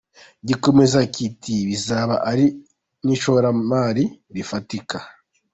Gikomeza kiti “Bizaba ari n’ishoramari rifatika.